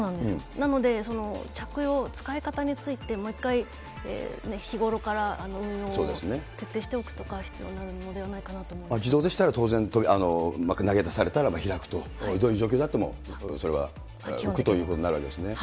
なので、着用、使い方についてもう一回ね、日頃から運用を徹底しておくとか、自動でしたら、当然、投げ出されたら開くと、どういう状況でもそれは浮くということになるわけですね。